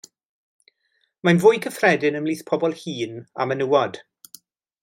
Mae'n fwy cyffredin ymhlith pobl hŷn a menywod.